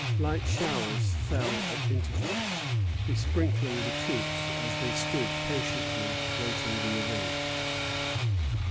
Light showers fell at intervals, besprinkling the troops as they stood patiently waiting the event.